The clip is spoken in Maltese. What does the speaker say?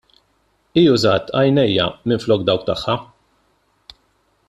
Hi użat għajnejja minflok dawk tagħha!